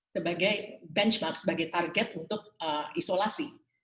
sebagai benchmark sebagai target untuk isolasi